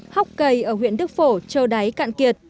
hóc cầy ở huyện đức phổ trơ đáy cạn kiệt